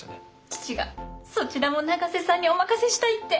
父がそちらも永瀬さんにお任せしたいって。